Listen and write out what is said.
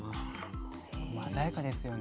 鮮やかですよね。